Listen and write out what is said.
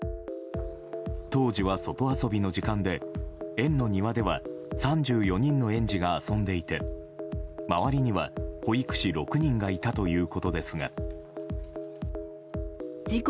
当時は、外遊びの時間で園の庭では３４人の園児が遊んでいて周りには保育士６人がいたということですが。